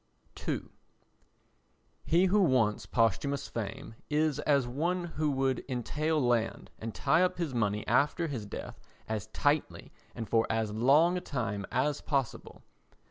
ii He who wants posthumous fame is as one who would entail land, and tie up his money after his death as tightly and for as long a time as possible.